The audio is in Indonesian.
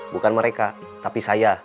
bukan mereka tapi saya